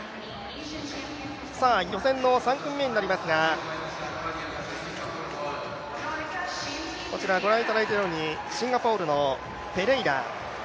予選の３組目になりますが、ご覧いただいているようにシンガポールのペレイラ。